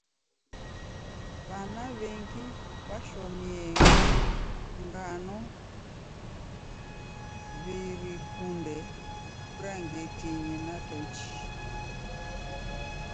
W'ana w'engi w'ashomie ngano w'irikunde brangetinyi na tochi.